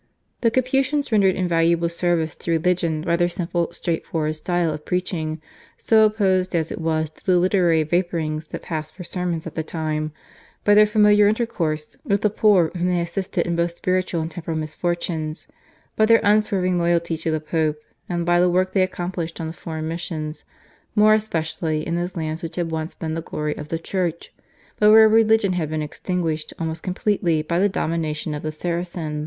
The Capuchins rendered invaluable service to religion by their simple straightforward style of preaching so opposed as it was to the literary vapourings that passed for sermons at the time, by their familiar intercourse with the poor whom they assisted in both spiritual and temporal misfortunes, by their unswerving loyalty to the Pope and by the work they accomplished on the foreign missions, more especially in those lands which had once been the glory of the Church but where religion had been extinguished almost completely by the domination of the Saracen.